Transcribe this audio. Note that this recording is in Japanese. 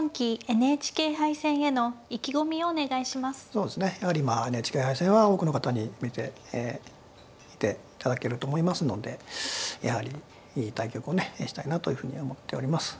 そうですねやはりまあＮＨＫ杯戦は多くの方に見ていただけると思いますのでやはりいい対局をねしたいなというふうに思っております。